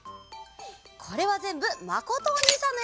これはぜんぶまことおにいさんのえです！